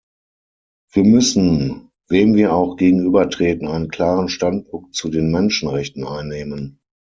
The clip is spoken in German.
Wir müssen, wem wir auch gegenübertreten, einen klaren Standpunkt zu den Menschenrechten einnehmen.